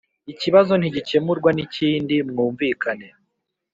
Ikibazo ntigikemurwa nikindi mwumvikane